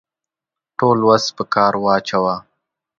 ټول وس په کار واچاوه.